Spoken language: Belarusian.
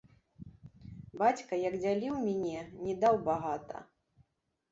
Бацька, як дзяліў міне, ні даў багата.